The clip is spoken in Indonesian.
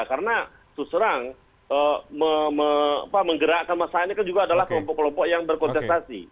karena susurang menggerakkan masyarakat ini kan juga adalah kelompok kelompok yang berkontestasi